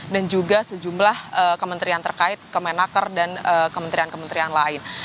dan juga sejumlah kementerian terkait kemenaker dan kementerian kementerian lain